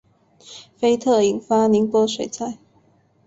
菲特引发宁波水灾。